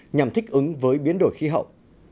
nhằm thích ứng với biến đổi khí hậu